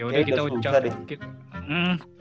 ya udah kita ucapin